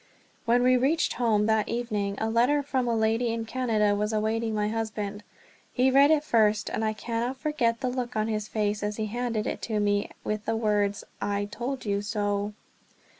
When we reached home, that evening, a letter from a lady in Canada was awaiting my husband. He read it first; and I cannot forget the look on his face as he handed it to me, with the words "I told you so."